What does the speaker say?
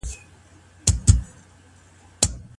بده غذا ولي هغه ده چي ورتلونکي ترې منع کېږي؟